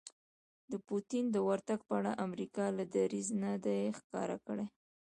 د پوتین د ورتګ په اړه امریکا لا دریځ نه دی ښکاره کړی